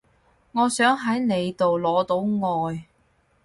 我想喺你度攞到愛